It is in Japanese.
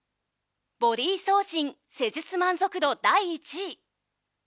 ボディ痩身施術満足度第１位。